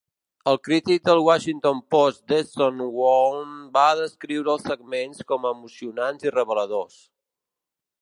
El crític del "Washington Post" Desson Howe va descriure els segments com emocionants i reveladors.